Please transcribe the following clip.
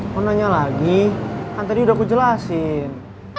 mau nanya lagi kan tadi udah aku jelasin